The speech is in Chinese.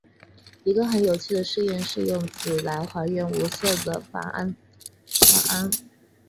一个很有趣的试验是用锌来还原无色的钒酸铵。